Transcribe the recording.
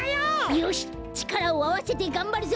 よしちからをあわせてがんばるぞ！